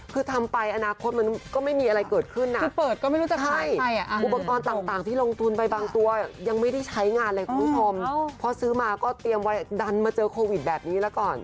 คุณผู้ชมพอซื้อมาก็เตรียมไว้ดันมาเจอโควิดแบบนี้แล้วก่อน